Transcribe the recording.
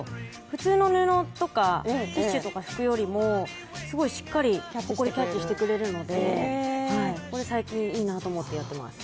普通の布とかティッシュとかで拭くよりもすごいしっかりほこりをキャッチしてくれるので、これ、最近いいなと思ってやっています。